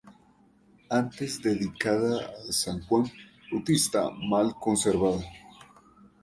Antes dedicada a san Juan Bautista, mal conservada.